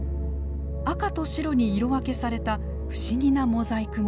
赤と白に色分けされた不思議なモザイク模様。